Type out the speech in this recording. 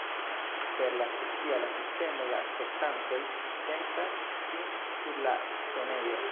Per la speciala sistemo la spektantoj sentas sin sur la scenejo.